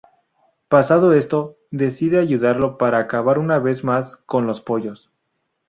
Pasado esto, decide ayudarlo para acabar una vez más con los pollos.